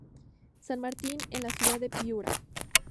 San Martin en la ciudad de Piura.